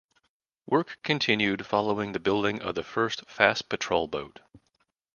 Works continued following the building of the first fast patrol boat.